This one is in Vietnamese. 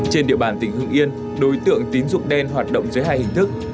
trên địa bàn tỉnh hưng yên đối tượng tín dụng đen hoạt động dưới hai hình thức